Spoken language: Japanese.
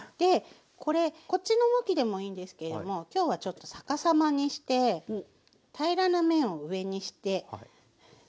これこっちの向きでもいいんですけれども今日はちょっと逆さまにして平らな面を上にしていきたいと思います。